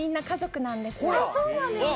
そうなんです